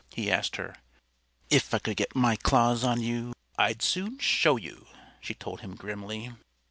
he asked her. "If I could get my claws on you I'd soon show you," she told him grimly.